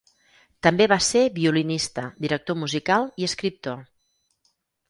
També va ser violinista, director musical i escriptor.